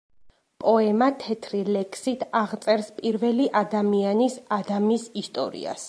პოემა თეთრი ლექსით აღწერს პირველი ადამიანის ადამის ისტორიას.